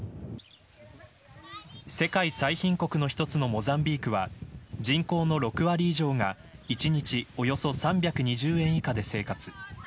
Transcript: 世界最貧国の一つのモザンビークは人口の６割以上が１日およそ３２０円以下で生活。